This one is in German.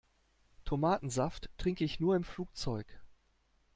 Tomatensaft trinke ich nur im Flugzeug.